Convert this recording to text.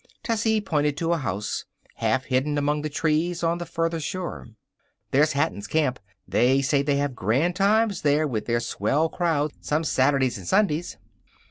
Tessie pointed to a house half hidden among the trees on the farther shore: "There's Hatton's camp. They say they have grand times there with their swell crowd some Saturdays and Sundays.